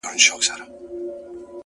په داسي خوب ویده دی چي راویښ به نه سي ـ